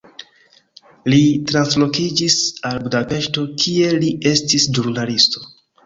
Li translokiĝis al Budapeŝto, kie li estis ĵurnalisto.